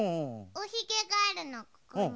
おひげがあるのここに。